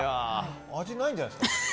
味ないんじゃないですか。